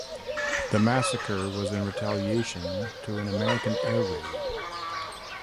The massacre was in retaliation to an American air raid.